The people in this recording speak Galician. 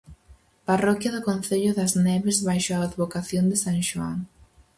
Parroquia do concello das Neves baixo a advocación de san Xoán.